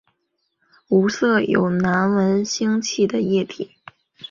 无色有难闻腥味的液体。